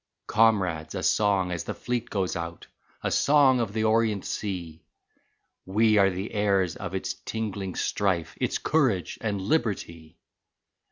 Comrades, a song as the fleet goes out, A song of the orient sea! We are the heirs of its tingling strife, Its courage and liberty.